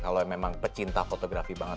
kalau memang pecinta fotografi banget